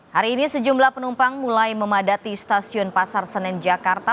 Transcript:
hari ini sejumlah penumpang mulai memadati stasiun pasar senen jakarta